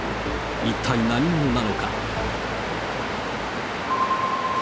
一体何者なのか。